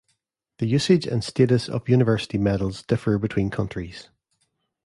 The usage and status of university medals differ between countries.